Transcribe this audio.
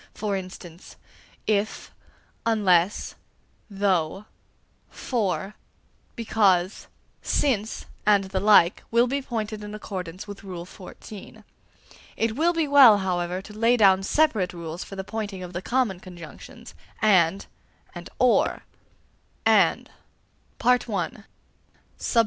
For instance, if, unless, though, for, because, since, and the like, will be pointed in accordance with Rule IX. It will be well, however, to lay down separate rules for the pointing of the common conjunctions, and and or. 1. _AND.